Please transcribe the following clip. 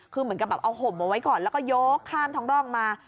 คือเหมือนกับแบบเอาห่มเอาไว้ก่อนแล้วก็โยกข้ามท้องร่องมา